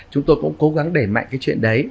chúng tôi cũng cố gắng để mạnh cái chuyện đấy